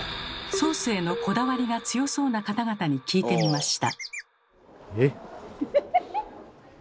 ソースへのこだわりが強そうな方々に聞いてみました。